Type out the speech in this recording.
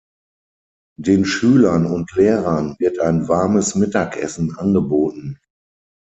Den Schülern und Lehrern wird ein warmes Mittagessen angeboten.